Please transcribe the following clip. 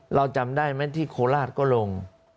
จำได้ไหมที่โคราชก็ลง